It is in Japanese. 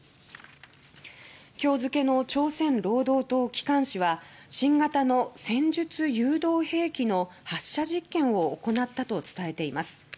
きょう付の朝鮮労働党機関紙は「新型の戦術誘導兵器」の発射実験を行ったと伝えています。